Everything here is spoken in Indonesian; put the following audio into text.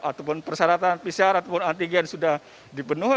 ataupun persyaratan pcr ataupun antigen sudah dipenuhi